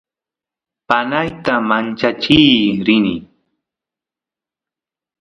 panayta manchachiy rini